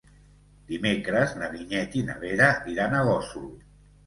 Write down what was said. Dimecres na Vinyet i na Vera iran a Gósol.